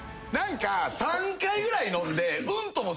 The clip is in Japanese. ３回ぐらい飲んで。